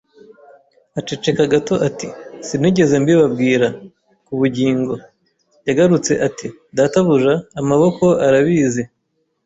Aceceka gato ati: “Sinigeze mbibabwira, ku bugingo!” Yagarutse ati: “Databuja, amaboko arabizi